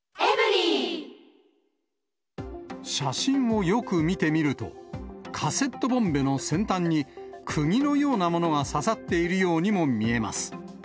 写真をよく見てみると、カセットボンベの先端に、くぎのようなものが刺さっているようにも見えます。